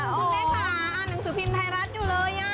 คุณแม่ค่ะอ่านหนังสือพิมพ์ไทยรัฐอยู่เลย